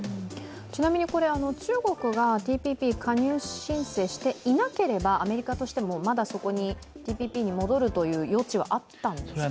ちなみに中国がＴＰＰ加盟申請していなければアメリカとしても、まだそこにＴＰＰに戻るという余地はあったんですか？